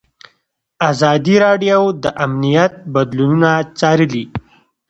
ازادي راډیو د امنیت بدلونونه څارلي.